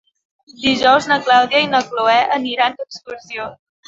Dijous na Clàudia i na Cloè aniran d'excursió.